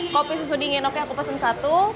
kopi susu dingin oke aku pesen satu